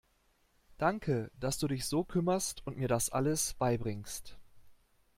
Danke, dass du dich so kümmerst und mir das alles beibringst.